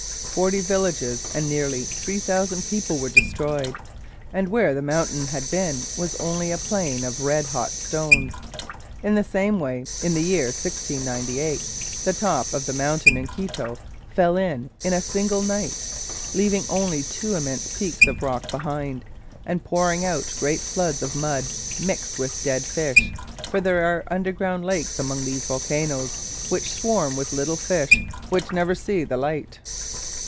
Forty villages and nearly 3000 people were destroyed, and where the mountain had been was only a plain of red hot stones. In the same way, in the year 1698, the top of a mountain in Quito fell in in a single night, leaving only two immense peaks of rock behind, and pouring out great floods of mud mixed with dead fish; for there are underground lakes among those volcanos which swarm with little fish which never see the light.